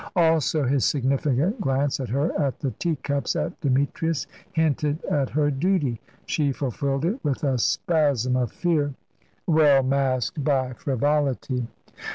Also, his significant glance at her, at the teacups, at Demetrius, hinted at her duty. She fulfilled it with a spasm of fear, well masked by frivolity.